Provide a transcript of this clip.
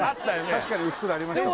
確かにうっすらありました